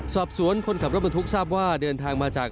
คนขับรถบรรทุกทราบว่าเดินทางมาจาก